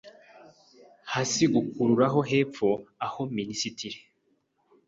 Hasi gukurura hepfo aho minisitiri